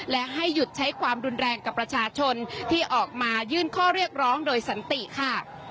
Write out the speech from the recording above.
และให้หยุดใช้ความรุนแรงกับประชาชนที่ออกมายื่นข้อเรียกร้องโดยสันติค่ะ